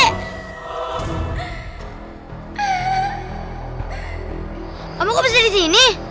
kamu kok bisa disini